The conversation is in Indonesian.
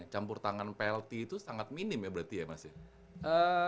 campur tangan plt itu sangat minim ya berarti ya mas ya